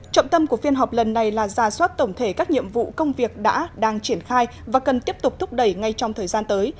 trọng tâm của phiên họp lần này là ra soát tổng thể các nhiệm vụ công việc đã đang triển khai và cần tiếp tục thúc đẩy ngay trong thời gian tới